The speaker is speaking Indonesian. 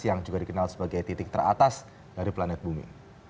yang juga dikenal sebagai titik teratas dari planet bumi